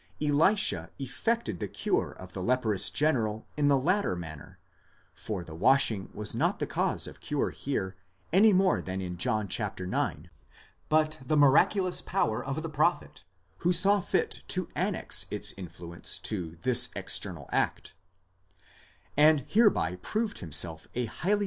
Elisha effected the cure of the leprous general in the latter manner (for the washing was not the cause of cure here, any more than in John ix., but the miraculous power of the prophet, who saw fit to annex its influence to this external act), and hereby proved himself a highly distin 14 Wetstein, N.